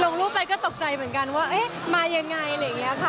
ลงรูปไปก็ตกใจเหมือนกันว่าเอ๊ะมายังไงอะไรอย่างนี้ค่ะ